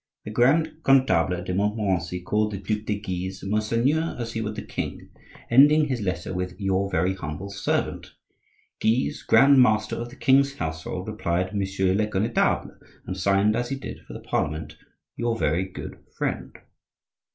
The Grand Connetable de Montmorency called the Duc de Guise "Monseigneur" as he would the king,—ending his letter with "Your very humble servant." Guise, Grand Master of the king's household, replied "Monsieur le connetable," and signed, as he did for the Parliament, "Your very good friend."